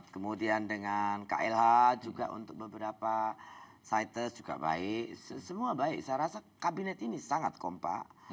kemudian dengan klh juga untuk beberapa sites juga baik semua baik saya rasa kabinet ini sangat kompak